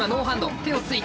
手をついた。